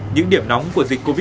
những điểm nóng của dịch vụ